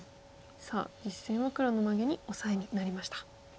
実戦は黒のマゲにオサエになりました。